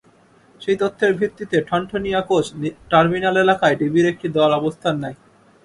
সেই তথ্যের ভিত্তিতে ঠনঠনিয়া কোচ টার্মিনাল এলাকায় ডিবির একটি দল অবস্থান নেয়।